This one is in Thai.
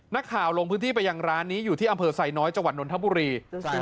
นักข่าวลงพื้นที่ไปยังร้านนี้อยู่ที่อำเภอไซน์น้อยจนธบุรี